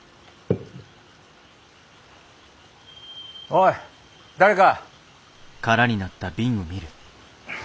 おい誰か。